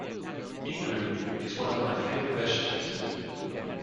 Beetroot is one of my favourite vegetables